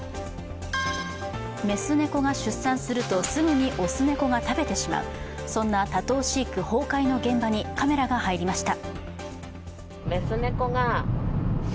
雌猫が出産すると、雄猫が食べてしまう、そんな多頭飼育崩壊の現場にカメラが入りました。